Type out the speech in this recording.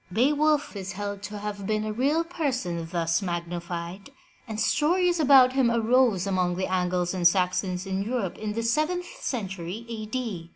Beowulf is held to have been a real person thus magni fied, and stories about him arose among the Angles and Saxons in Europe in the seventh century A. D.